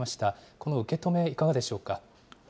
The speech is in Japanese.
この受け止め、いかがでしょうか。